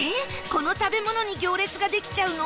この食べ物に行列ができちゃうの？